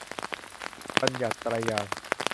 บัญญัติไตรยางค์